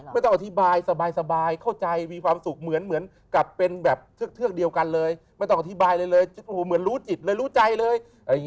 ไม่ต้องอธิบายเลยเหมือนรู้จิตเลยรู้ใจเลย